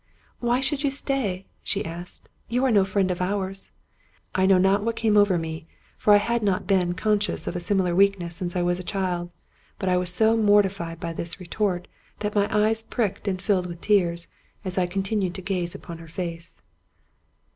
" Why should you stay? " she asked. " You are no friend of ours." I know not what came over me, for I had not been con scious of a similar weakness since I was a child, but I was so mortified by this retort that my eyes pricked and filled with tears, as I continued to gaze upon her face.